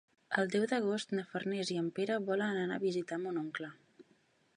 El deu d'agost na Farners i en Pere volen anar a visitar mon oncle.